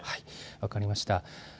分かりました。